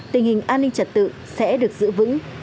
tình hình an ninh trật tự sẽ được giữ vững